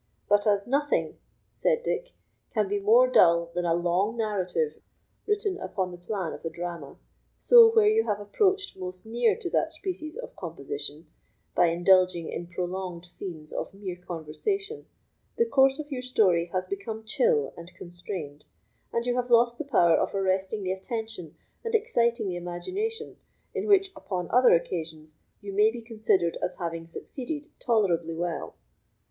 But as nothing," said Dick, "can be more dull than a long narrative written upon the plan of a drama, so where you have approached most near to that species of composition, by indulging in prolonged scenes of mere conversation, the course of your story has become chill and constrained, and you have lost the power of arresting the attention and exciting the imagination, in which upon other occasions you may be considered as having succeeded tolerably well."